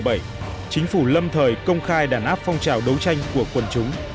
tháng bảy năm một nghìn chín trăm một mươi bảy chính phủ lâm thời công khai đàn áp phong trào đấu tranh của quân chúng